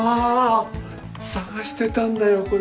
探してたんだよこれ。